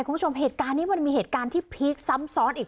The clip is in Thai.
คุณผู้ชมเหตุการณ์นี้มันมีเหตุการณ์ที่พีคซ้ำซ้อนอีก